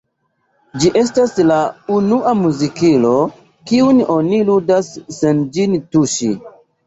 Ĝi estas la unua muzikilo, kiun oni ludas sen ĝin tuŝi.